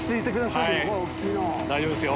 はい大丈夫ですよ。